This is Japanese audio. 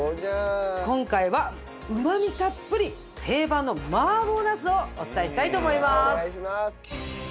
今回はうまみたっぷり定番の麻婆ナスをお伝えしたいと思います。